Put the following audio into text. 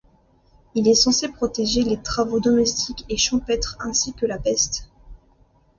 Il est censé protéger les travaux domestiques et champêtres ainsi que de la peste.